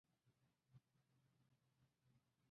成熟后应注意防治灰霉病以及鸟。